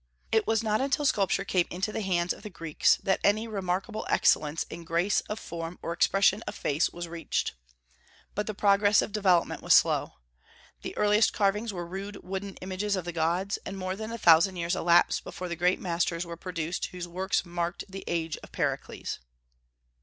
It was not until sculpture came into the hands of the Greeks that any remarkable excellence in grace of form or expression of face was reached. But the progress of development was slow. The earliest carvings were rude wooden images of the gods, and more than a thousand years elapsed before the great masters were produced whose works marked the age of Pericles.